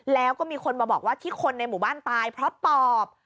แล้วก็มีคนมาบอกว่าที่คนในหมู่บ้านตายเพราะปอบ